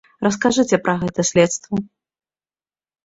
Раскажыце пра гэта следству.